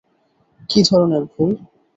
কী ধরণের ভুল?